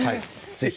ぜひ。